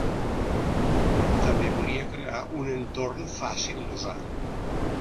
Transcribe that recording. També volia crear un entorn fàcil d'usar.